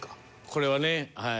これはねはい。